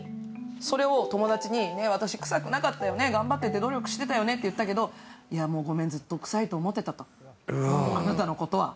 それを友達に、私臭くなかったよね頑張ってて努力してたよねって言ったけどいやごめん、ずっと臭いと思ってたと、あなたのことは。